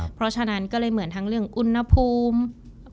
เพราะฉะนั้นก็เลยเหมือนทั้งเรื่องอุณหภูมิ